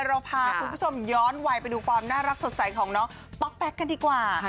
เราพาคุณผู้ชมย้อนวัยไปดูความน่ารักสดใสของน้องป๊อกแป๊กกันดีกว่า